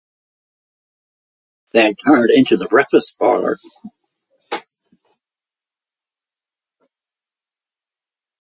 They turned into the breakfast parlour.